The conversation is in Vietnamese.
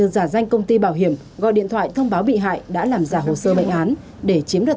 giả danh công ty bảo hiểm gọi điện thoại thông báo bị hại đã làm giả hồ sơ bệnh án để chiếm đoạt